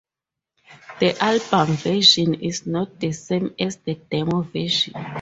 The album version is not the same as the demo version.